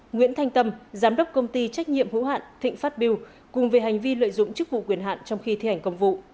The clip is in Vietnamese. nguyễn thanh tâm giám đốc công ty trách nhiệm hữu hạn thịnh phát biêu cùng về hành vi lợi dụng chức vụ quyền hạn trong khi thi hành công vụ